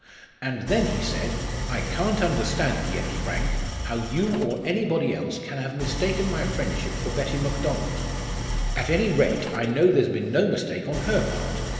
"And then he said, 'I can't understand yet, Frank, how you or anybody else can have mistaken my friendship for Betty Macdonald. At any rate, I know there's been no mistake on her part.